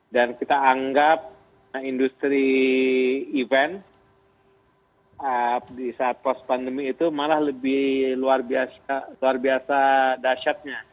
dan kita anggap industri event di saat post pandemi itu malah lebih luar biasa dasyatnya